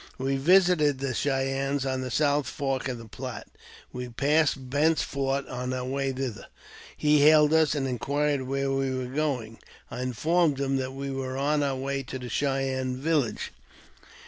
We visited the Cheyennes on the South Fork of the Platte. We passed Bent's fort on our way thither. He hailed us, and inquired where we were going. I informed him that we were on our way to the Cheyenne village.